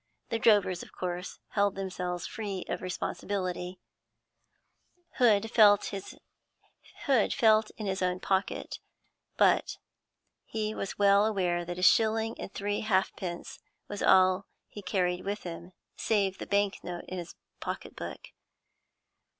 The drovers of course held themselves free of responsibility. Hood felt in his own pocket; but he was well aware that a shilling and three halfpence was all he carried with him save the bank note in his pocket book.